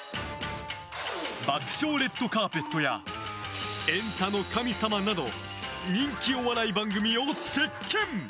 「爆笑レッドカーペット」や「エンタの神様」など人気お笑い番組を席巻。